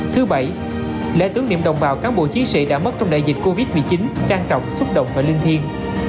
thứ bảy lễ tướng niệm đồng bào cán bộ chiến sĩ đã mất trong đại dịch covid một mươi chín trang trọng xúc động và linh thiên